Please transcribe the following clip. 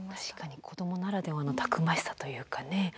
確かに子どもならではのたくましさというかね。